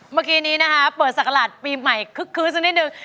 เมื่อกี้นี้นะฮะเปิดสัตว์กระหลาดปีใหม่คื้นซักนิดนึง